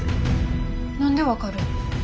何で分かる？